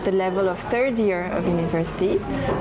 di tahap tiga tahun universitas